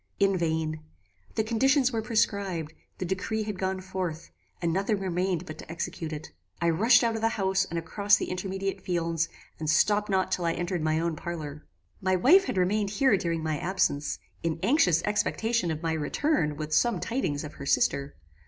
"In vain. The conditions were prescribed; the decree had gone forth, and nothing remained but to execute it. I rushed out of the house and across the intermediate fields, and stopped not till I entered my own parlour. "My wife had remained here during my absence, in anxious expectation of my return with some tidings of her sister.